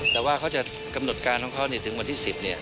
แต่ว่าเขาจะกำหนดการของเขาถึงวันที่๑๐